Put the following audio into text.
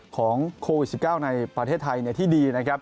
ของโควิด๑๙ในประเทศไทยที่ดีนะครับ